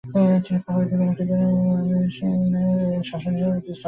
তিনি ফখরউদ্দিনকে মুক্তি দেন এবং তাকে বামিয়ানের শাসক হিসেবে পুনস্থাপন করেন।